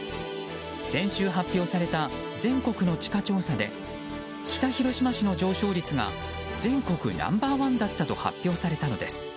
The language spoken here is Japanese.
先週発表された全国の地価調査で北広島市の上昇率が全国ナンバー１だったと発表されたのです。